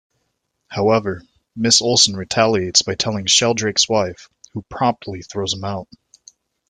However, Miss Olsen retaliates by telling Sheldrake's wife, who promptly throws him out.